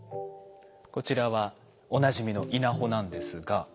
こちらはおなじみの稲穂なんですが。